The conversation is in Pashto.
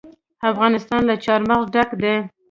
افغانستان له چار مغز ډک دی.